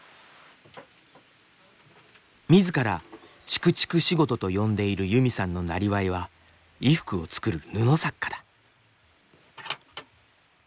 みずから「ちくちく仕事」と呼んでいるユミさんのなりわいは衣服を作る「布作家」だ。